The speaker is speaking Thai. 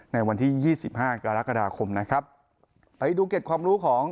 ในวันที่ยี่สิบห้ากรกฎาคมนะครับไปดูเก็ตความรู้ของ